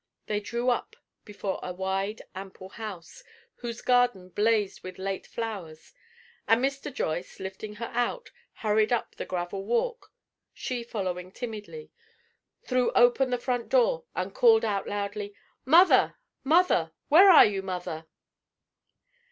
They drew up before a wide, ample house, whose garden blazed with late flowers, and Mr. Joyce, lifting her out, hurried up the gravel walk, she following timidly, threw open the front door, and called loudly: "Mother! Mother! where are you, Mother?"